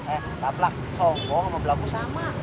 eh tak pelak sombong sama berlagu sama